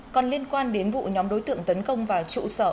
còn liên quan đến vụ nhóm đối tượng tấn công vào trụ sở